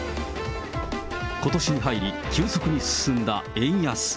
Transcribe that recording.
ことしに入り急速に進んだ円安。